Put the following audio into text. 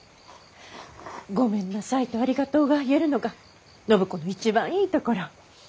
「ごめんなさい」と「ありがとう」が言えるのが暢子の一番いいところ。